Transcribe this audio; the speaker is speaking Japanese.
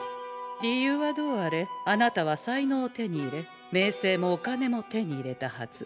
理由はどうあれあなたは才能を手に入れ名声もお金も手に入れたはず。